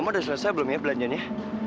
mama udah selesai belum ya belanja nya